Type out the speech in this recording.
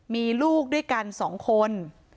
มีลูกด้วยกัน๒คน